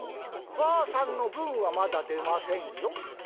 ばあさんの分はまだ出ませんよ」。